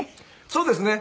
そうですね。